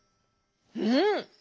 うん！